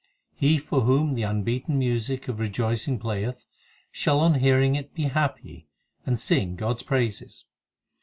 He for whom the unbeaten music of rejoicing playeth, Shall on hearing it be happy, and sing God s praises.